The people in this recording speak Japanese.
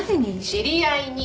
知り合いに。